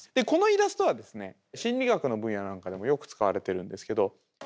このイラストは心理学の分野なんかでもよく使われてるんですけど。